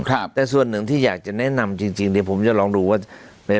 ครับแต่ส่วนหนึ่งที่อยากจะแนะนำจริงจริงเดี๋ยวผมจะลองดูว่าใน